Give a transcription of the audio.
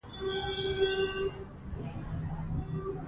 خو بيا هم له نارينه زاويې نه ورته کتل شوي